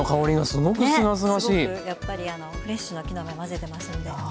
すごくやっぱりフレッシュな木の芽混ぜてますので。